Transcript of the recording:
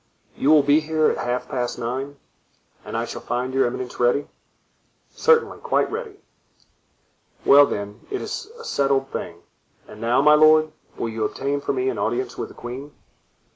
"You will be here at half past nine." "And I shall find your eminence ready?" "Certainly, quite ready." "Well, then, it is a settled thing; and now, my lord, will you obtain for me an audience with the queen?"